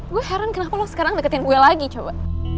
gue heran kenapa lo sekarang deketin gue lagi coba